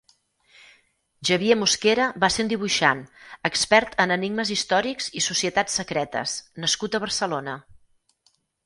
Xavier Musquera va ser un dibuixant, expert en enigmes històrics i societats secretes nascut a Barcelona.